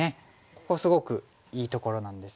ここすごくいいところなんですが。